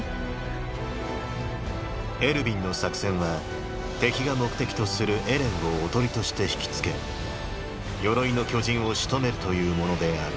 エルヴィンの作戦は敵が目的とするエレンを囮として引きつけ鎧の巨人を仕留めるというものである。